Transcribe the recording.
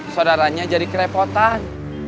saudaranya jadi kerepotan